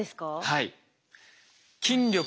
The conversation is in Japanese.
はい。